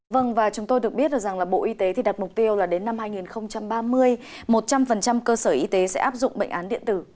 vâng và chúng tôi được biết được rằng là bộ y tế thì đặt mục tiêu là đến năm hai nghìn ba mươi một trăm linh cơ sở y tế sẽ áp dụng bệnh án điện tử